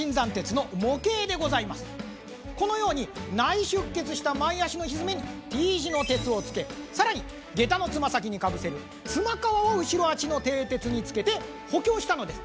このように内出血した前足の蹄にＴ字の鉄をつけ更にげたの爪先にかぶせるツマ皮を後ろ足の蹄鉄につけて補強したのです。